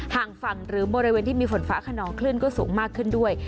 ห่างฝั่งหรือบริเวณที่มีฝนฟ้าขนองคลื่นก็สูงมากขึ้นด้วย